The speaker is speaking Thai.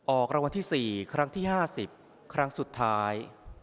ออกรางวัลที่๔ครั้งที่๕๐ครั้งสุดท้าย๐๗๑๑๔๒๐๗๑๑๔๒